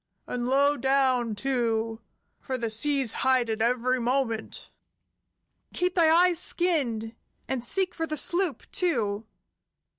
And low down, too, for the seas hide it every moment!" "Keep thy eyes skinned, and seek for the sloop, too."